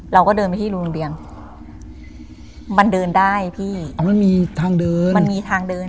เราก็เดินไปที่โรงเรียนมันเดินได้พี่อ๋อไม่มีทางเดินมันมีทางเดิน